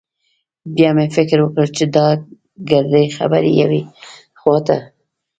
بيا مې فکر وکړ چې دا ګردې خبرې يوې خوا ته.